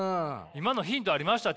今のヒントありました？